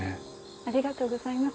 ありがとうございます。